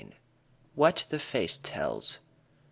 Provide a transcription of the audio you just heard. WHAT THE FACE TELLS.